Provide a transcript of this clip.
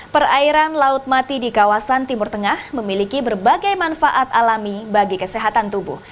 perairan laut mati di kawasan timur tengah memiliki berbagai manfaat alami bagi kesehatan tubuh